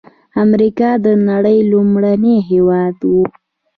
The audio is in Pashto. امریکا د نړۍ لومړنی هېواد و.